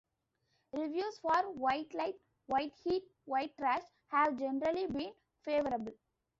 Reviews for "White Light, White Heat, White Trash" have generally been favorable.